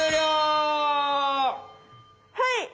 はい！